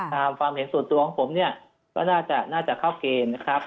ความเห็นส่วนตัวของผมเนี่ยก็น่าจะเข้าเกณฑ์นะครับ